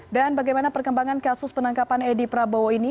dan bagaimana perkembangan kasus penangkapan edy prabowo ini